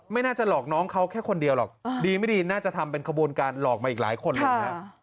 ไม่น่าจะหลอกน้องเขาแค่คนเดียวหรอกดีไม่ดีน่าจะทำเป็นขบวนการหลอกมาอีกหลายคนเลยนะ